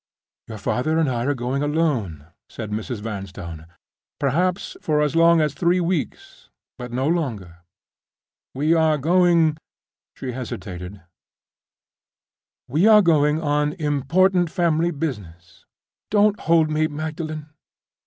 "Your father and I are going alone," said Mrs. Vanstone. "Perhaps, for as long as three weeks—but not longer. We are going"—she hesitated—"we are going on important family business. Don't hold me, Magdalen.